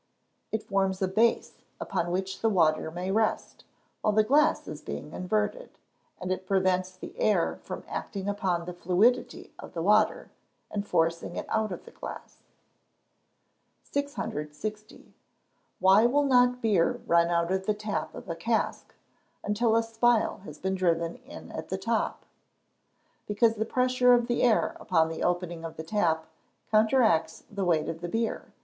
_ It forms a base upon which the water may rest, while the glass is being inverted; and it prevents the air from acting upon the fluidity of the water, and forcing it out of the glass. 660. Why will not beer run out of the tap of a cask until a spile has been driven in at the top? Because the pressure of the air upon the opening of the tap counteracts the weight of the beer.